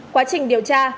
quá trình điều tra